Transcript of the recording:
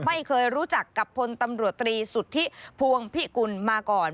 ไม่เคยรู้จักกับพลตำรวจตรีสุทธิพวงพิกุลมาก่อน